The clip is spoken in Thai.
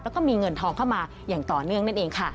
แล้วก็มีเงินทองเข้ามาอย่างต่อเนื่องนั่นเองค่ะ